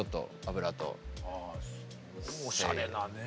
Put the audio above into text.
おしゃれなね。